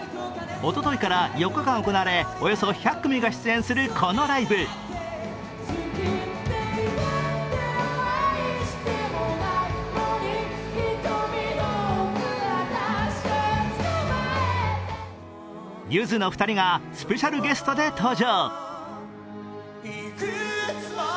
おとといから４日間行われおよそ１００組が出演するこのライブゆずの２人がスペシャルゲストで登場。